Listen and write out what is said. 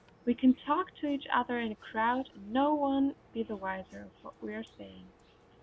We can talk to each other in a crowd, and no one be the wiser of what we are saying."